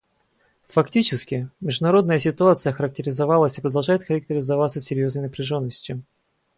Фактически, международная ситуация характеризовалась и продолжает характеризоваться серьезной напряженностью.